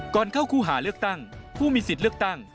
ก่อนเข้าคู่หาเลือกตั้งผู้มีสิทธิ์เลือกตั้ง